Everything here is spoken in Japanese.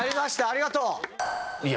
ありがとう。